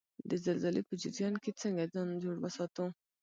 د زلزلې په جریان کې څنګه ځان جوړ وساتو؟